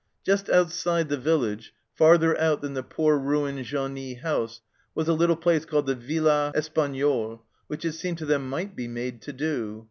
Just outside the village, farther out than the poor ruined genie house, was a little place called the Villa Espagnole, which it seemed to them might be made to do.